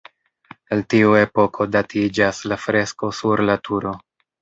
El tiu epoko datiĝas la fresko sur la turo.